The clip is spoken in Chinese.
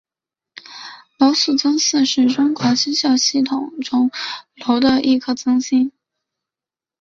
娄宿增四是中国星官系统中娄的一颗增星。